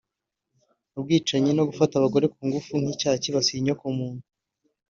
ubwicanyi no gufata abagore ku ngufu nk’icyaha cyibasiye inyoko muntu